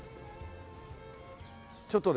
ちょっとね